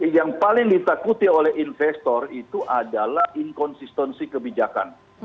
yang paling ditakuti oleh investor itu adalah inkonsistensi kebijakan